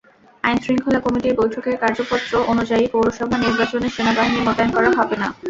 আইনশৃঙ্খলা কমিটির বৈঠকের কার্যপত্র অনুযায়ী পৌরসভা নির্বাচনে সেনাবাহিনী মোতায়েন করা হবে না।